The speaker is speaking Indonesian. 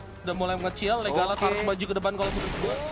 sudah mulai mengecil legalat harus baju ke depan kalau menuju